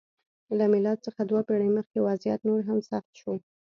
له میلاد څخه دوه پېړۍ مخکې وضعیت نور هم سخت شو.